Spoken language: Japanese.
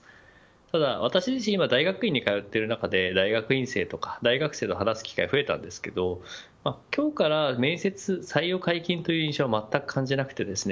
ただ、私自身も大学院に通っている中で学院生や大学生と話す機会が増えたんですが今日から面接採用解禁という印象をまったく感じなくてですね